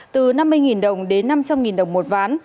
từ năm mươi đồng đến năm trăm linh đồng một ván